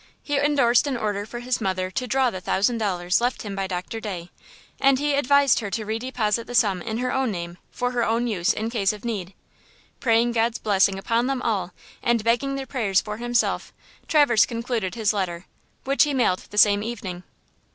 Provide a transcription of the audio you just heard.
He endorsed an order for his mother to draw the thousand dollars left him by Doctor Day , and he advised her to re deposit the sum in her own name for her own use in case of need. Praying God's blessing upon them all, and begging their prayers for himself, Traverse concluded his letter, which he mailed the same evening.